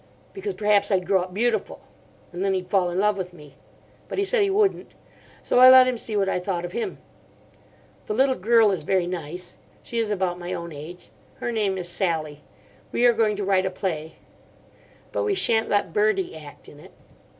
Because perhaps I'd grow up beautiful. And then he'd fall in love with me. But he said he wouldn't. So I let him see what I thought of him. The little girl is very nice. She is about my own age. Her name is Sally. We are going to write a play. But we sha'n't let Bertie act in it.